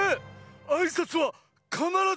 あいさつはかならず。